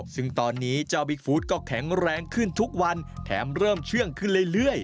ซึ่งตอนนี้เจ้าบิ๊กฟู้ดก็แข็งแรงขึ้นทุกวันแถมเริ่มเชื่องขึ้นเรื่อย